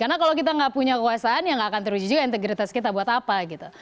karena kalau kita tidak punya kekuasaan ya tidak akan teruji juga integritas kita buat apa gitu